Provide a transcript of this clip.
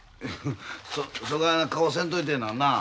そそがいな顔せんといてえななあ。